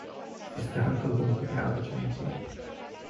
Să sperăm că îl vom putea aduce înapoi.